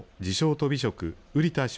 とび職瓜田翔